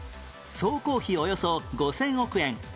総工費およそ５０００億円